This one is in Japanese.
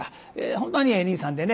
本当にええ兄さんでね